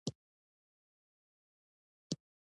آیا امان الله خان د خپلواکۍ اتل نه دی؟